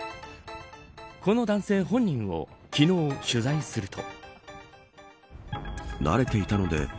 この男性本人を昨日取材すると。